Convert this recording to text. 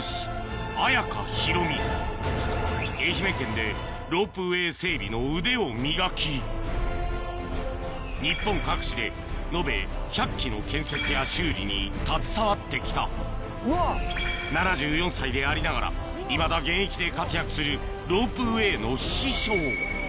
愛媛県でロープウエー整備の腕を磨き日本各地で延べ１００基の建設や修理に携わって来た７４歳でありながらいまだ現役で活躍するロープウエーの師匠